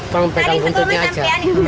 pemegang kuntutnya aja